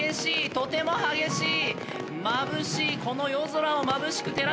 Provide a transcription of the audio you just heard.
とても激しい！